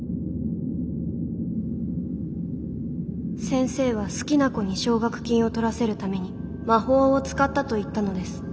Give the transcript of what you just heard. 「先生は好きな子に奨学金を取らせるために魔法を使ったと言ったのです。